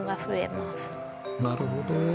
なるほど。